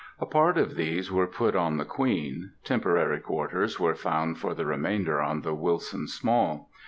A part of these were put on the Queen; temporary quarters were found for the remainder on the Wilson Small.